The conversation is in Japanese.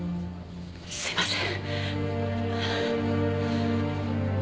すいません。